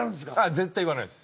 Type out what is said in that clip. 絶対言わないです。